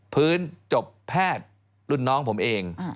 จบแพทย์รุ่นน้องผมเอง